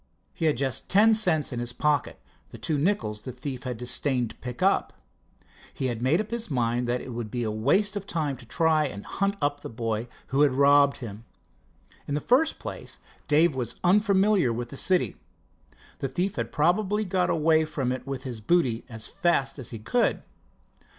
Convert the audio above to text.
He had just ten cents in his pocket—the two nickels the thief had disdained to pick up. He had made up his mind that it would be a waste of time to try and hunt up the boy who had robbed him. In the first place, Dave was unfamiliar with the city. The thief had probably got away from it with his booty as fast as he could.